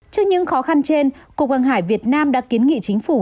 trước những khó khăn trên cục hàng hải việt nam đã kiến nghị chính phủ